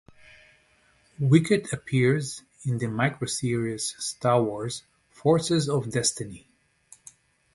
Wicket appears in the micro-series Star Wars: Forces of Destiny.